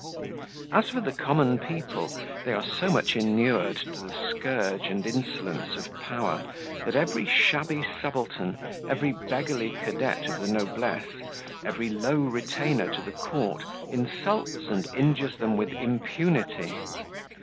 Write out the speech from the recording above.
As for the common people, they are so much inured to the scourge and insolence of power, that every shabby subaltern, every beggarly cadet of the noblesse, every low retainer to the court, insults and injures them with impunity.